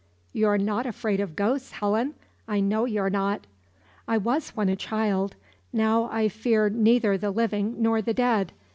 "You're not afraid of ghosts, Helen! I know you're not." "I was when a child. Now I fear neither the living nor the dead.